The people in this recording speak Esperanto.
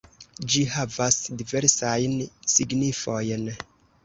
Ĝi havas diversajn signifojn.